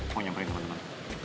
mau nyamperin temen temen